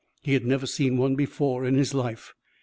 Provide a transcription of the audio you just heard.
He had never seen one before in his life.